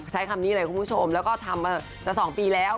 ใช้คำนี้เลยคุณผู้ชมแล้วก็ทำมาจะ๒ปีแล้ว